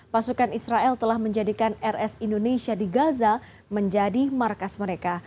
pasukan israel telah menjadikan rs indonesia di gaza menjadi markas mereka